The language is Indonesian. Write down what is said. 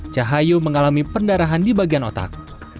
cahayu mengalami pendarahan di bagian otak